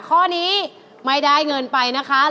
ข้อนี้ไม่ได้เงินไปนะคะ